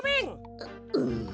ううん。